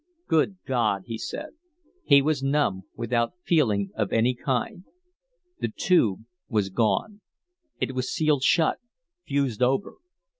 "Good God," he said. He was numb, without feeling of any kind. The Tube was gone. It was sealed shut, fused over.